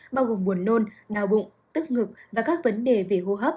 bao gồm buồn nôn nào bụng tức ngực và các vấn đề về hô hấp